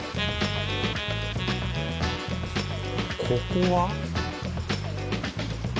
ここは？